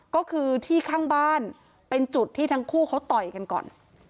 ก็คือที่ข้างบ้านเป็นจุดที่ทั้งคู่เขาต่อยกันก่อน